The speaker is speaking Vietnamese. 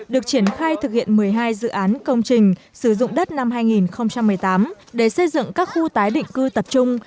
được triển khai thực hiện một mươi hai dự án công trình sử dụng đất năm hai nghìn một mươi tám để xây dựng các khu tái định cư tập trung